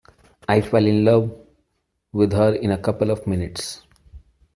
I fell in love with her in a couple of minutes.